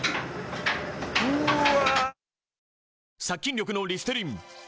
うわ！